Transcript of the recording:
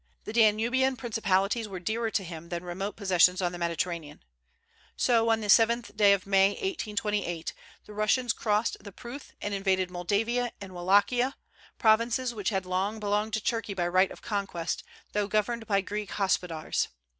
The Danubian principalities were dearer to him than remote possessions on the Mediterranean. So on the 7th of May, 1828, the Russians crossed the Pruth and invaded Moldavia and Wallachia, provinces which had long belonged to Turkey by right of conquest, though governed by Greek hospodars.